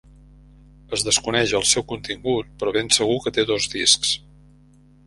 Es desconeix el seu contingut, però ben segur que té dos discs.